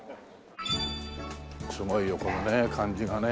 すごいよこのね感じがね。